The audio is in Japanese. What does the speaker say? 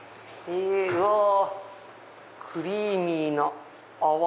うわクリーミーな泡。